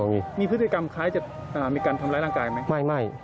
มีพฤติกรรมจะห้ามอย่าการทำร้ายร่างกายไหม